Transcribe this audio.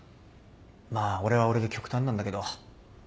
まあ俺は俺で極端なんだけど。